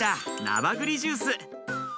ナバグリジュース。